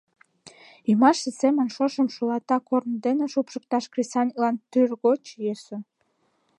Ӱмашсе семын шошым шулата корно дене шупшыкташ кресаньыклан тӱргоч йӧсӧ.